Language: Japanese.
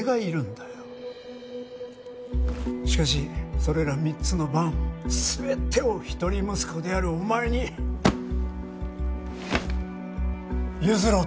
しかしそれら３つのバン全てを一人息子であるお前に譲ろうと思う！